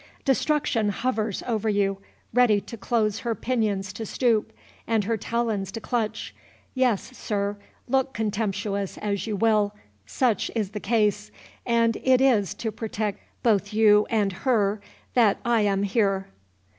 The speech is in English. Destruction hovers over you, ready to close her pinions to stoop, and her talons to clutch—Yes, sir, look contemptuous as you will, such is the case; and it is to protect both you and her that I am here."